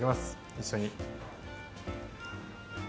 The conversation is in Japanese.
一緒に。